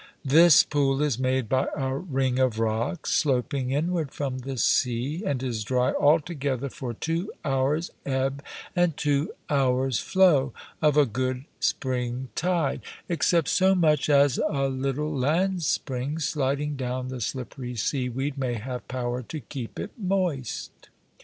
This pool is made by a ring of rocks sloping inward from the sea, and is dry altogether for two hours' ebb and two hours' flow of a good spring tide, except so much as a little land spring, sliding down the slippery sea weed, may have power to keep it moist.